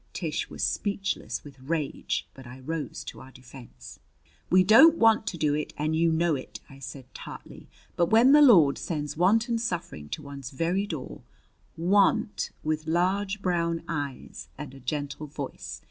Tish was speechless with rage, but I rose to our defense. "We don't want to do it and you know it!" I said tartly. "But when the Lord sends want and suffering to one's very door " "Want, with large brown eyes and a gentle voice!"